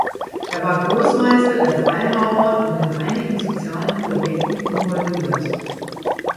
Er war Großmeister der Freimaurer und in einigen sozialen Projekten involviert.